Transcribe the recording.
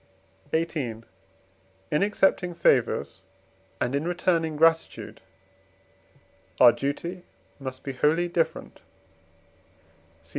XVIII. In accepting favours, and in returning gratitude our duty must be wholly different (cf.